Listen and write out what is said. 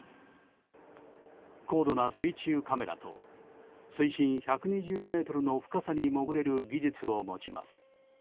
高度な水中カメラと水深１２０ｍの深さに潜れる技術を持ちます。